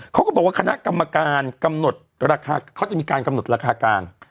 เขาก็บอกว่าคณะกรรมการกำหนดราคาเขาจะมีการกำหนดราคากลาง